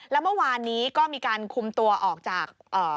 แล้วเมื่อวานนี้ก็มีการคุมตัวออกจากเอ่อ